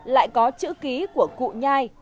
lại có chữ ký của cụ nhai